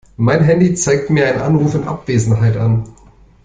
Mein Handy zeigt mir einen Anruf in Abwesenheit an.